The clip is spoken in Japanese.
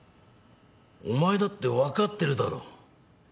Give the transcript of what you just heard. お前だって分かってるだろ。